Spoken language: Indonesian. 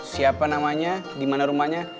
siapa namanya di mana rumahnya